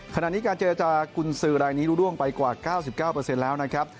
ขณะนี้การเจรจากุญสือรายนี้รู้ร่วงไปกว่า๙๙แล้วนะครับ